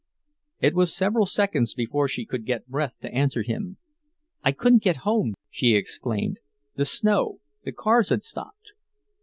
It was several seconds before she could get breath to answer him. "I couldn't get home," she exclaimed. "The snow—the cars had stopped."